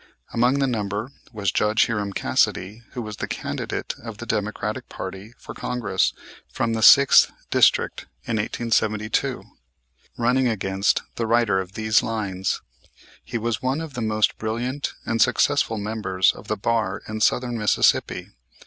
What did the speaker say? Among the number was Judge Hiram Cassidy, who was the candidate of the Democratic party for Congress from the Sixth District in 1872, running against the writer of these lines. He was one of the most brilliant and successful members of the bar in southern Mississippi.